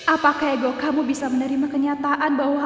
apakah kamu bisa menerima kenyataan